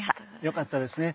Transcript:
よかったですね。